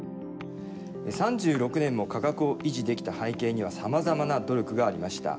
３６年も価格を維持できた背景にはさまざまな努力がありました。